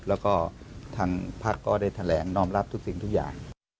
แล้วก็ทางพักก็ได้แถลงนอมรับทุกสิ่งทุกอย่าง